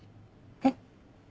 えっ？